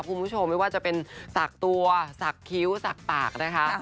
คุณผู้ชมไม่ว่าจะเป็นสักตัวสักคิ้วสักปากนะคะ